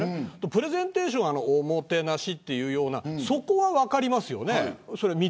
プレゼンテーションはおもてなしというようなそこは分かりますよね。